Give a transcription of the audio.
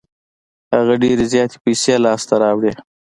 هغه ډېرې زياتې پیسې لاس ته راوړې.